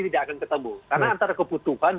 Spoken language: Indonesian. tidak akan ketemu karena antara kebutuhan